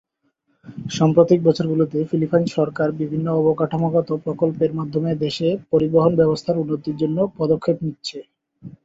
সাম্প্রতিক বছরগুলিতে, ফিলিপাইন সরকার বিভিন্ন অবকাঠামোগত প্রকল্পের মাধ্যমে দেশে পরিবহন ব্যবস্থার উন্নতির জন্য পদক্ষেপ নিচ্ছে।